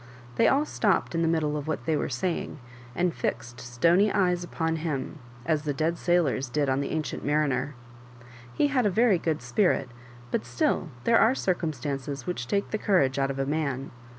They all stopped in tbe middle of what they were saying, and fixed stony eyes on him, as the dead sailors did on the Ancient Mariner. He had a very good spirit, but still there are circumstances which take the courage out of a man.